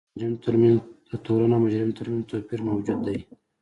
د تورن او مجرم ترمنځ توپیر موجود دی.